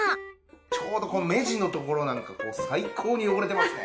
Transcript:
ちょうどこの目地のところなんか最高に汚れてますね。